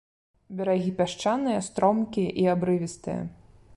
Берагі пясчаныя, стромкія і абрывістыя.